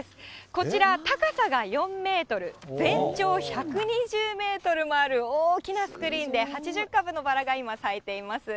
こちら、高さが４メートル、全長１２０メートルもある大きなスクリーンで、８０株のバラが今、咲いています。